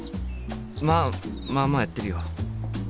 まあまあまあやってるよ。